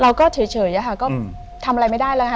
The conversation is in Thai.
เราก็เฉยอะค่ะก็ทำอะไรไม่ได้แล้วค่ะ